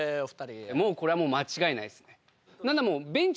もうこれは間違いないですね